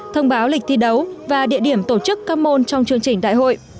thông báo lịch thi đấu và địa điểm tổ chức các môn trong chương trình đại hội